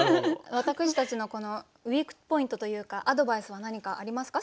私たちのウイークポイントというかアドバイスは何かありますか？